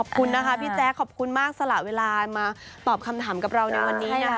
ขอบคุณนะคะพี่แจ๊คขอบคุณมากสละเวลามาตอบคำถามกับเราในวันนี้นะคะ